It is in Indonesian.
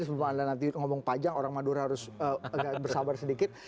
sebelum anda nanti ngomong panjang orang madura harus agak bersabar sedikit